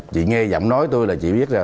chị nghe giọng nói tôi là chị biết là